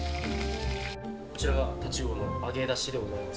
こちらがタチウオの揚げだしでございます。